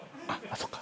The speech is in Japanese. そっか。